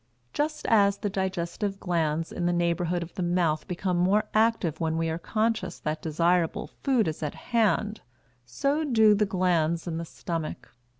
Just as the digestive glands in the neighborhood of the mouth become more active when we are conscious that desirable food is at hand, so do the glands in the stomach.